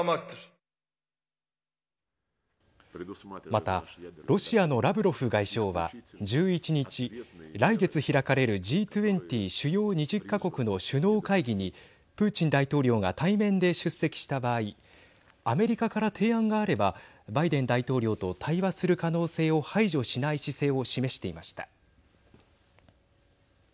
また、ロシアのラブロフ外相は１１日、来月開かれるＧ２０＝主要２０か国の首脳会議にプーチン大統領が対面で出席した場合アメリカから提案があればバイデン大統領と対話する可能性を排除しない姿勢を示していました。